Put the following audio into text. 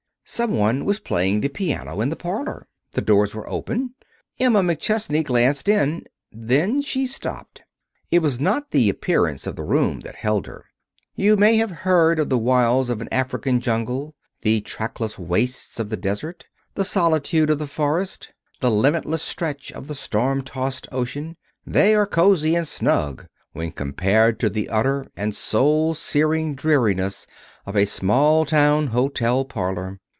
Some one was playing the piano in the parlor. The doors were open. Emma McChesney glanced in. Then she stopped. It was not the appearance of the room that held her. You may have heard of the wilds of an African jungle the trackless wastes of the desert the solitude of the forest the limitless stretch of the storm tossed ocean; they are cozy and snug when compared to the utter and soul searing dreariness of a small town hotel parlor.